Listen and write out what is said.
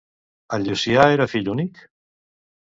En Llucià era fill únic?